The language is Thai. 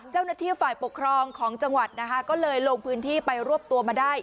เจ้าหน้าที่ฝ่ายปกครองของจังหวัดนะคะก็เลยลงพื้นที่ไปรวบตัวมาได้